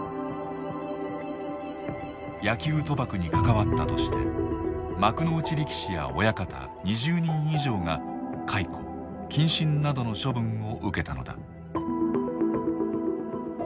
野球賭博に関わったとして幕内力士や親方２０人以上が解雇謹慎などの処分を受けたのだ。